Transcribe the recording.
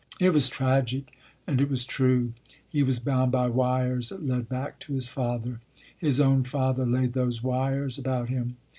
" It was tragic and it was true. He was bound by wires that led back to his father ; his own father laid those wires about him.